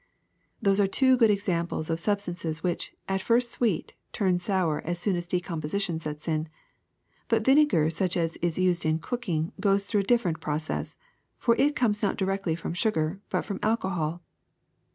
^* Those are two good examples of substances which, at first sweet, turn sour as soon as decomposi tion sets in; but vinegar such as is used in cooking goes through a little different process ; for it comes not directly from sugar but from alcohol.